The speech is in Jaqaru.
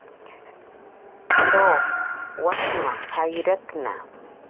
Tu, wasma jayratna